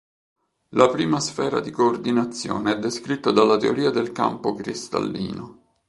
La prima sfera di coordinazione è descritta dalla teoria del campo cristallino.